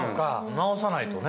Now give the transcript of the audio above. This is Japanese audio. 直さないとね。